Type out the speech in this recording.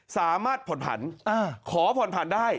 สามารถผ่อนผันขอผ่อนผันได้